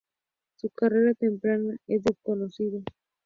Su carrera temprana es desconocida.